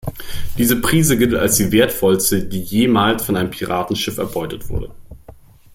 Diese Prise gilt als die Wertvollste, die jemals von einem Piratenschiff erbeutet wurde.